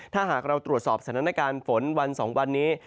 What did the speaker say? ถ้าหากเราตรวจสอบสถานการณ์ฝนวัน๒วันนี้